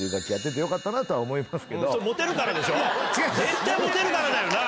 絶対モテるからだよな！